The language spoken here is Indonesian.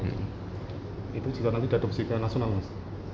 itu sudah nanti diadopsikan langsung mas